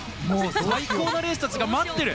最高のレースたちが待っている。